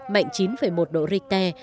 mạnh chín một độ richter